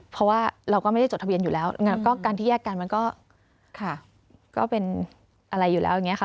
เพราะว่าเราก็ไม่ได้จดทะเบียนอยู่แล้วก็การที่แยกกันมันก็ค่ะก็เป็นอะไรอยู่แล้วอย่างนี้ค่ะ